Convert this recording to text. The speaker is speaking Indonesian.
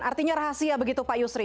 artinya rahasia begitu pak yusri